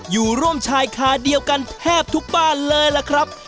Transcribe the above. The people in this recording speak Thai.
อยู่ร่วมชายคาเดียวกันแทบทุกบ้านเลยล่ะครับ